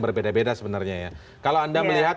berbeda beda sebenarnya ya kalau anda melihat